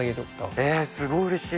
えっすごいうれしい。